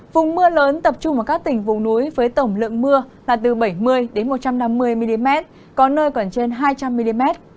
vùng mưa lớn tập trung vào các tỉnh vùng núi với tổng lượng mưa là từ bảy mươi một trăm năm mươi mm có nơi còn trên hai trăm linh mm